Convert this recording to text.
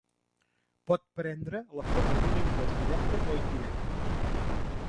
Pot prendre la forma d'un impost directe o indirecte.